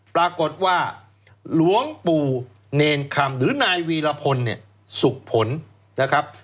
ปรากฏว่าหลวงปู่เนรคำหรือนายวีรพลเนี่ยสุขผลนะครับ